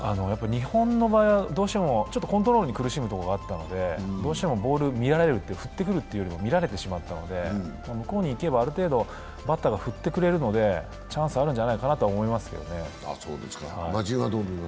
日本の場合はどうしてもコントロールに苦しむところがあったので、どうしてもボールを、振ってくれるというより見られてしまって向こうに行けば、ある程度、バッターが振ってくれるのでチャンスあるんじゃないかなとは思いますけどね。